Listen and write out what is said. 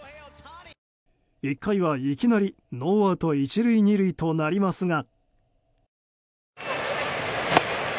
１回はいきなりノーアウト１塁２塁となりますが。